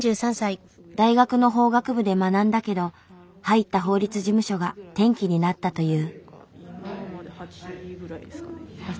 大学の法学部で学んだけど入った法律事務所が転機になったという。